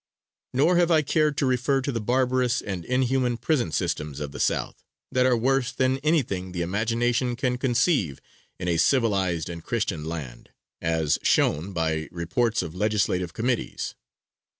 Nor have I cared to refer to the barbarous and inhuman prison systems of the South, that are worse than anything the imagination can conceive in a civilized and Christian land, as shown by reports of legislative committees.